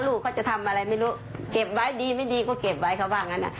ลูกเขาจะทำอะไรไม่รู้เก็บไว้ดีไม่ดีก็เก็บไว้เขาว่างั้นอ่ะ